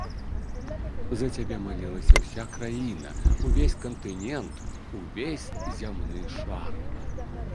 За цябе малілася ўся краіна, увесь кантынэнт, увесь зямны шар!